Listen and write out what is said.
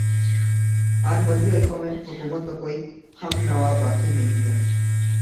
آج مذہبی حلقوں میں حکومت کا کوئی ہم نوا باقی نہیں ہے